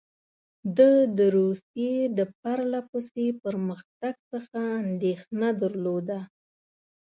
ده د روسیې د پرله پسې پرمختګ څخه اندېښنه درلوده.